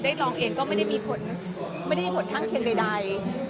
ได้ลองเอ็กซ์ก็ไม่ได้มีผลทางเข็นใด